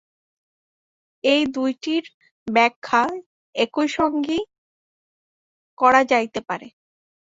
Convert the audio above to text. এই দুইটির ব্যাখ্যা একসঙ্গেই করা যাইতে পারে।